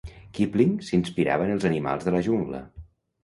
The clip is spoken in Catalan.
Kipling s'inspirava en els animals de la jungla.